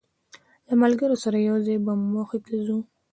له ملګرو سره یو ځای به موخې ته ځی.